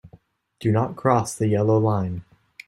Do not cross the yellow line.